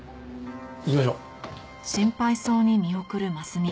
行きましょう。